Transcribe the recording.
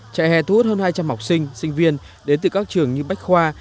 trại hè thu hút hơn hai trăm linh học sinh sinh viên đến từ các trường như bách khoa